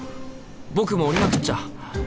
僕も降りなくっちゃ！